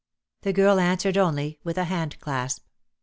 The girl answered only with a hand clasp.